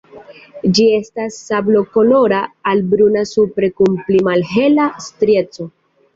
Ĝi estas sablokolora al bruna supre kun pli malhela strieco.